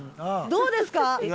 どうですか？